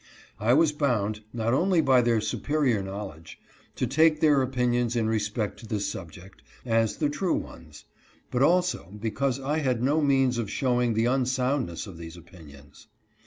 I was bound, not only by their superior knowledge, to take their opinions in respect to this subject, as the true ones, but also because I had no means of show ing the unsoundness of these opinions.